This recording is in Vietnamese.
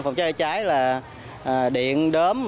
phòng cháy trựa cháy là điện đớm